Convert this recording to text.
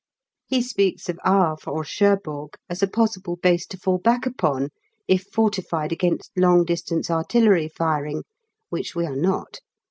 He speaks of Havre or Cherbourg as a possible base to fall back upon, if fortified against long distance artillery firing, which we are not.